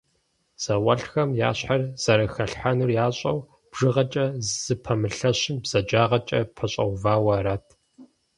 Зауэлӏхэм я щхьэр зэрыхалъхьэнур ящӏэу, бжыгъэкӏэ зыпэмылъэщым бзаджагъэкӏэ пэщӏэувауэ арат.